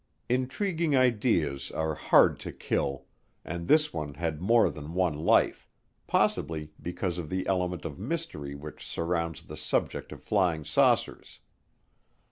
Intriguing ideas are hard to kill, and this one had more than one life, possibly because of the element of mystery which surrounds the subject of flying saucers.